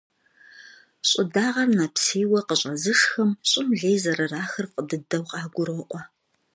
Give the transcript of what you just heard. Щӏы дагъэр нэпсейуэ къыщӏэзышхэм щӏым лей зэрырахыр фӏы дыдэу къагуроӏуэ.